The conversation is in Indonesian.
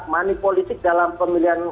money politik dalam pemilihan